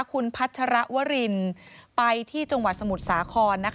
คุณพัชรวรินไปที่จังหวัดสมุทรสาคร